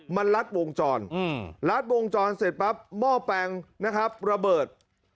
มันลัดวงจรลัดวงจรเสร็จปั๊บหม้อแปลงนะครับระเบิด